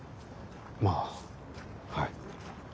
まあはい。